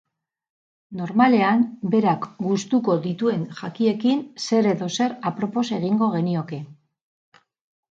Normalean berak gustuko dituen jakiekin zer edo zer apropos egingo genioke.